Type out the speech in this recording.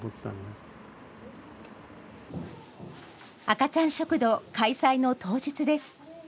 赤ちゃん食堂開催の当日です。